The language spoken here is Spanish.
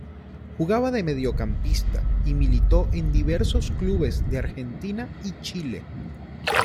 Jugaba de mediocampista y militó en diversos clubes de Argentina y Chile.